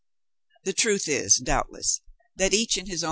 The truth is, doubtless, that each in his.